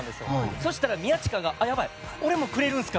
そうしたら宮近が、やばい俺もくれるんですか？